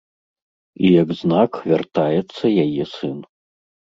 І як знак, вяртаецца яе сын.